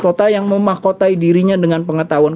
kota yang memahkotai dirinya dengan pengetahuan